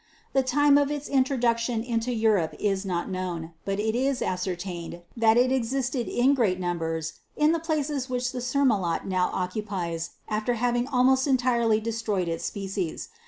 The time of its introduction into Europe is not known, but it is ascertained that it existed in great numbers in the places which the Surmulot now occupies after having almost entirely destroyed its species.